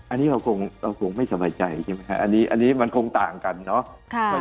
อันนี้เราคงไม่สบายใจใช่ไหมครับอันนี้มันคงต่างกันเนาะ